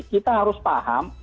kita harus paham